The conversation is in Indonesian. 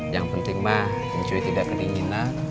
yang penting ma cuy tidak kedinginan